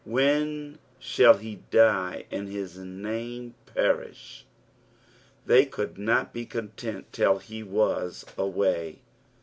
" "Wken, ihall he die, and hi* name periihf" They could not be content till he was away.